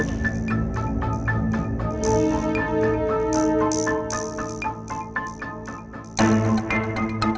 makasih banyak ya meka